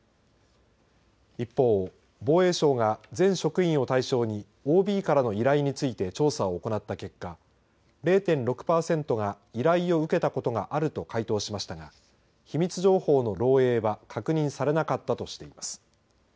一方、防衛省が全職員を対象にＯＢからの依頼について調査を行った結果０．６パーセントが依頼を受けたことがあると回答しましたが秘密情報の漏えいは確認されなかったとしています。